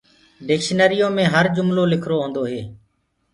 ڊڪشنٚريو مي هر جُملولکرو هونٚدوئي